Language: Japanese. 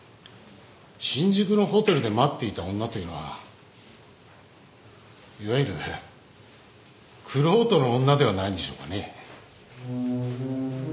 新宿のホテルで待っていた女というのはいわゆる玄人の女ではないんでしょうかね。